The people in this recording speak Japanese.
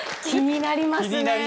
気になりますね。